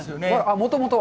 もともとは？